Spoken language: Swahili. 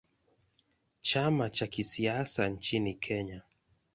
Chama cha kisiasa nchini Kenya.